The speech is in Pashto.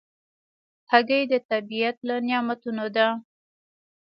هګۍ د طبیعت له نعمتونو ده.